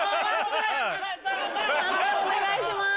判定お願いします。